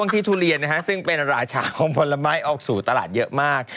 ที่ทุเรียนนะฮะซึ่งเป็นราชาของผลไม้ออกสู่ตลาดเยอะมาก